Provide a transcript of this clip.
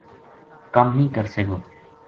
کم نیہہ کرسے گو